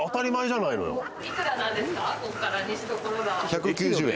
１９０円。